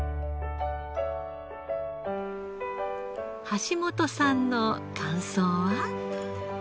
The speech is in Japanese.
橋本さんの感想は？